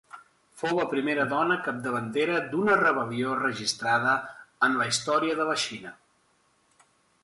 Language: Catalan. Fou la primera dona capdavantera d'una rebel·lió registrada en la història de la Xina.